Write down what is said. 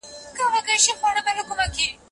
که پوهه نه وي ټولنه په تيارو کي پاته کېږي.